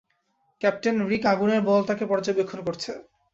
Captain, Rick আগুনের বলটাকে পর্যবেক্ষণ করছে।